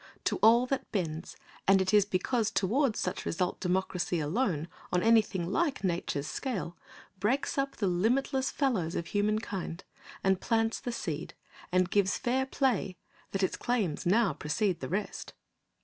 To that all bends, and it is because toward such result Democracy alone, on anything like Nature's scale, breaks up the limitless fallows of humankind, and plants the seed, and gives fair play, that its claims now precede the rest."